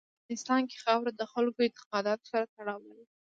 په افغانستان کې خاوره د خلکو اعتقاداتو سره تړاو لري.